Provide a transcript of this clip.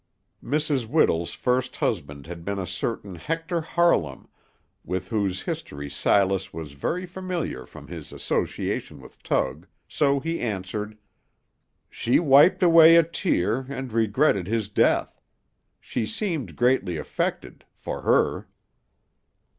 Mrs. Whittle's first husband had been a certain Hector Harlam, with whose history Silas was very familiar from his association with Tug, so he answered, "She wiped away a tear, and regretted his death. She seemed greatly affected, for her."